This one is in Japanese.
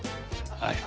はい。